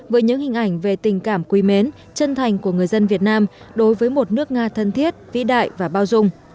với những hình ảnh về tình cảm quý mến chân thành của người dân việt nam đối với một nước nga thân thiết vĩ đại và bao dung